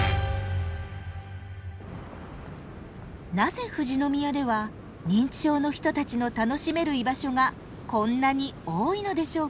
なぜ富士宮では認知症の人たちの楽しめる居場所がこんなに多いのでしょうか？